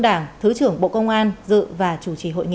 thượng tướng đảng thứ trưởng bộ công an dự và chủ trì hội nghị